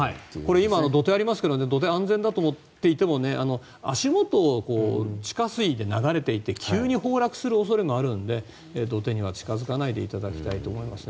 今、土手がありますけど土手、安全だと思っていても足元を地下水が流れていて急に崩落する恐れもあるので土手には近付かないでいただきたいと思います。